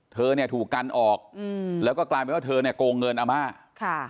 เธอเนี่ยถูกกันออกอืมแล้วก็กลายเป็นว่าเธอเนี่ยโกงเงินอาม่าค่ะ